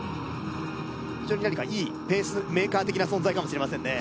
非常に何かいいペースメーカー的な存在かもしれませんね